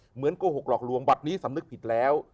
เหมือนโกหกหลอกลวงวันนี้สำนึกผิดแล้ว